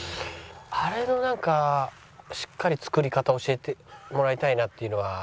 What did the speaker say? あれのなんかしっかり作り方を教えてもらいたいなっていうのは。